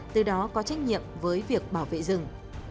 từ đó có trách nhiệm với việc bảo vệ rừng